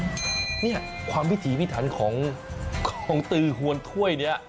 เนี่ยความวิถีพิถันของตือหวนถ้วยนี้